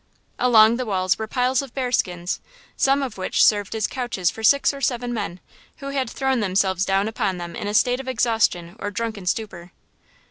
Along the walls were piles of bearskins, some of which served as couches for six or seven men, who had thrown themselves down upon them in a state of exhaustion or drunken stupor.